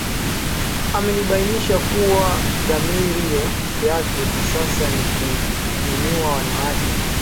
Amebainisha kuwa dhamira yake kwa sasa ni kuwanyanyua wanawake